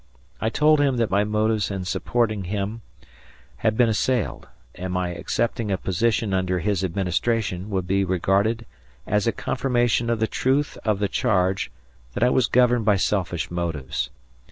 I told him that my motives in supporting him had been assailed, and my accepting a position under his administration would be regarded as a confirmation of the truth of the charge that I was governed by selfish motives.